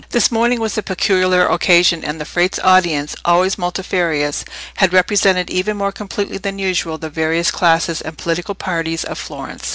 This morning was a peculiar occasion, and the Frate's audience, always multifarious, had represented even more completely than usual the various classes and political parties of Florence.